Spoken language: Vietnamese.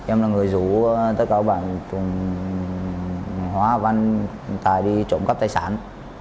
em là người rủ tất cả các bạn hóa văn tài đi trộm cắp tài sản